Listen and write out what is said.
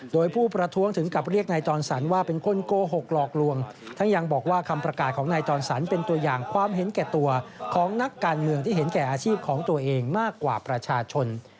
โดยผู้ประท้วงถึงกับเรียกนายจรสันว่าเป็นคนโกหกหลอกลวงทั้งยังบอกว่าคำประกาศของนายจรสันเป็นตัวอย่างความเห็นแก่ตัวของนักการเมืองที่เห็นแก่อาชีพของตัวเองมากกว่าประชาชน